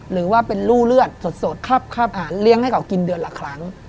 หรือว่าเป็นรู่เลือดสดคราบอาหารเลี้ยงให้เขากินเดือนละครั้ง